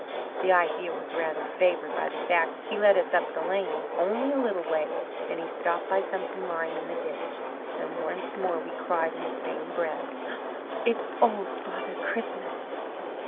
"The idea was rather favoured by the fact he led us up the lane. Only a little way; then he stopped by something lying in the ditch and once more we cried in the same breath, 'It's Old Father Christmas!'